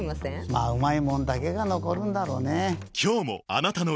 まぁうまいもんだけが残るんだろうねぇ。